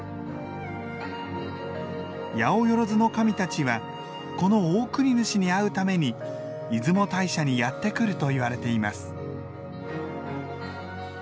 八百万の神たちはこのオオクニヌシに会うために出雲大社にやって来るといわれています。